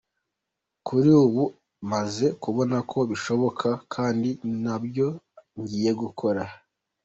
Kuri ubu maze kubona ko bishoboka kandi ni nabyo ngiye gukora.